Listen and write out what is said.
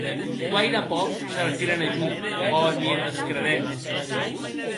Guaire pòc se retiren a jo, ò Emir des Credents!